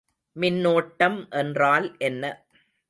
மின்னோட்டம் என்றால் என்ன?